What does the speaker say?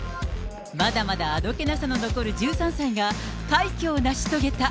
まだまだあどけなさの残る１３歳が、快挙を成し遂げた。